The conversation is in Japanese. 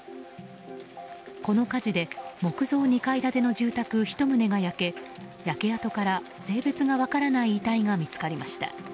この火事で木造２階建ての住宅１棟が焼け焼け跡から性別が分からない遺体が見つかりました。